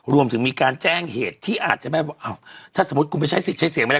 รวมถึงมีการแจ้งเหตุที่อาจจะไม่ว่าอ้าวถ้าสมมุติคุณไปใช้สิทธิ์ใช้เสียงไม่ได้